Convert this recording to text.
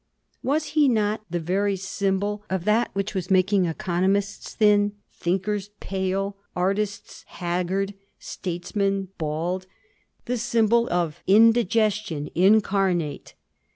Was he not the very symbol of that which was making economists thin, thinkers pale, artists haggard, statesmen bald—the symbol of Indigestion Incarnate!